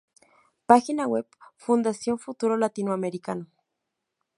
Página web Fundación Futuro Latinoamericano